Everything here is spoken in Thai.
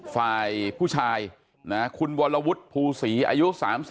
ฝ่ายผู้ชายคุณวรวุฒิภูศรีอายุ๓๒